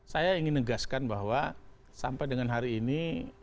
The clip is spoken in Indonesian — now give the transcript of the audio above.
saya ingin negaskan bahwa sampai dengan hari ini